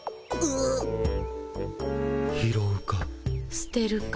すてるか。